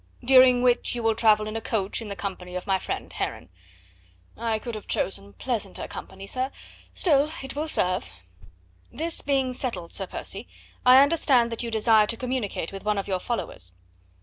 "During which you will travel in a coach in the company of my friend Heron." "I could have chosen pleasanter company, sir; still, it will serve." "This being settled, Sir Percy. I understand that you desire to communicate with one of your followers."